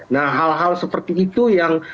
nah hal hal seperti itu yang